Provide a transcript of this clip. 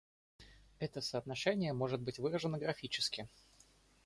Это соотношение может быть выражено графически.